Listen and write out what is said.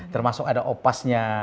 termasuk ada opasnya